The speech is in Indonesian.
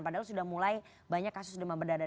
padahal sudah mulai banyak kasus demam berdarah